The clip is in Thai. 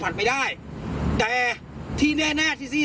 มันไม่มีไง